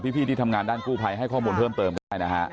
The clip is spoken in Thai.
พี่ที่ทำงานด้านกู้ภัยให้ข้อมูลเพิ่มเติมก็ได้นะฮะ